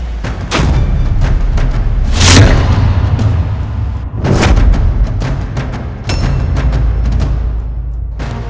aku akan membunuh kalian sampai mati di sini